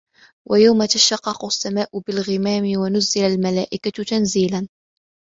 وَيَوْمَ تَشَقَّقُ السَّمَاءُ بِالْغَمَامِ وَنُزِّلَ الْمَلَائِكَةُ تَنْزِيلًا